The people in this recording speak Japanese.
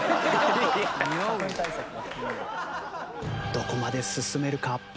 どこまで進めるか？